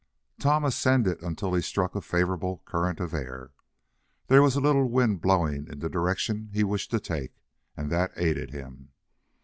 Tom ascended until he struck a favorable current of air. There was a little wind blowing in the direction he wished to take, and that aided him.